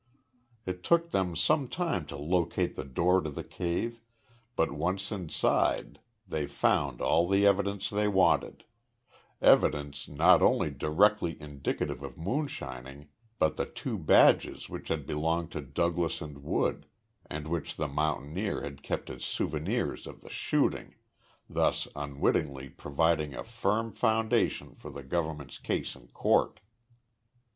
It took them some time to locate the door to the cave, but, once inside, they found all the evidence they wanted evidence not only directly indicative of moonshining, but the two badges which had belonged to Douglas and Wood and which the mountaineers had kept as souvenirs of the shooting, thus unwittingly providing a firm foundation for the government's case in court.